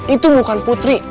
itu bukan putri